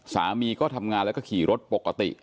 สามีก็ทำงานแล้วก็ขี่รถปกติ